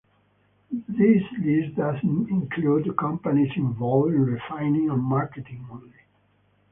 This list does not include companies involved in refining and marketing only.